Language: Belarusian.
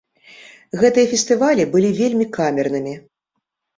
Гэтыя фестывалі былі вельмі камернымі.